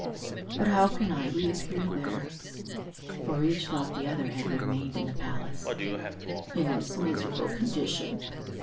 But how can I reappear there (for each thought the other had remained in the palace) in this miserable condition?"